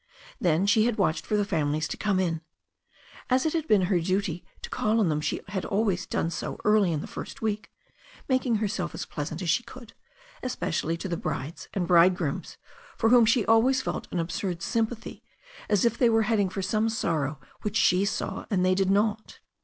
Then she had watched for the families to come in. As it had been her duty to call on them she had always done so early in the first week, making herself as pleasant as she could, especially to the brides and bridegrooms, for whom she always felt an absurd sympathy, as if they were heading for some sorrow which she saw and they did not.